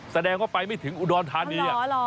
แสดงว่าไปไม่ถึงอุดรธานี